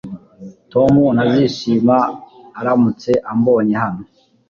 Tom ntazishima aramutse ambonye hano